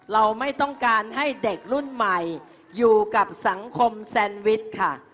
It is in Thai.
เราไม่ต้องการให้เด็กรุ่นใหม่อยู่กับสังคมแซนวิชค่ะ